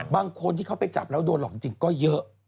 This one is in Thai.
บางคนที่เขาไปจับแล้วโดนหลอกจริงก็เยอะ